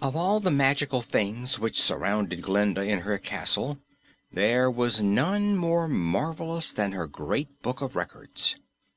Of all the magical things which surrounded Glinda in her castle, there was none more marvelous than her Great Book of Records.